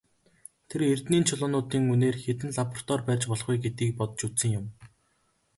Тэр эрдэнийн чулуунуудын үнээр хэдэн лаборатори барьж болох вэ гэдгийг бодож үзсэн юм.